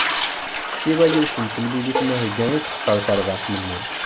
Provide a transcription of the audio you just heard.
Siwa yiwet n temlilit n uheggi i texser terbaɛt n mmi.